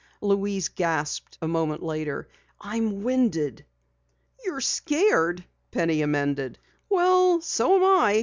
Louise gasped a moment later. "I'm winded." "You're scared," Penny amended. "Well, so am I.